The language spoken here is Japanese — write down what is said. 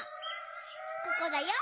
ここだよ。